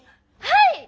はい！